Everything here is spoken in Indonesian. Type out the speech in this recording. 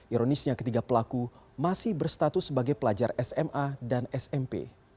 ironisnya ketiga pelaku masih berstatus sebagai pelajar sma dan smp